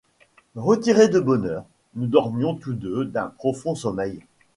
Retirés de bonne heure, nous dormions tous deux d’un profond sommeil.